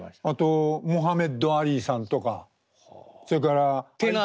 あとモハメド・アリさんとかそれから。